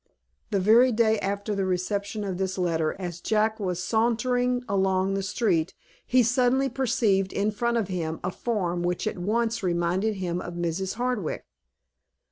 The very day after the reception of this letter, as Jack was sauntering along the street, he suddenly perceived in front of him a form which at once reminded him of Mrs. Hardwick.